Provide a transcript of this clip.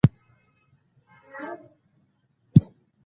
شني ارواګانې به ځنګل ته پر نښتر ولیکم